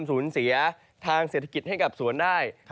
สูญเสียทางเศรษฐกิจให้กับสวนได้